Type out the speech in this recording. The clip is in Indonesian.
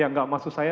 ya tidak maksud saya